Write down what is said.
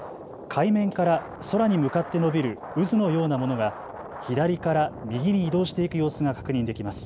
海面から空に向かって伸びる渦のようなものが左から右に移動していく様子が確認できます。